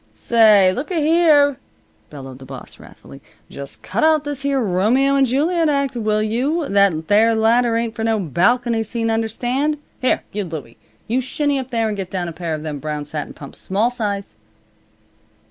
"Say looka here!" bellowed the boss, wrathfully. "Just cut out this here Romeo and Juliet act, will you! That there ladder ain't for no balcony scene, understand. Here you, Louie, you shinny up there and get down a pair of them brown satin pumps, small size."